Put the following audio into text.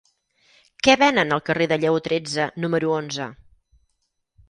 Què venen al carrer de Lleó tretze número onze?